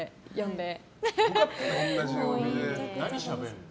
何しゃべるの？